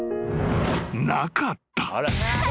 ［なかった］